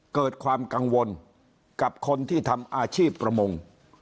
เกิดความกังวลกับคนที่ทำอาชีพประมง